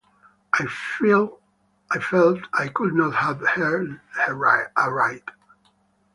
I felt I could not have heard her aright.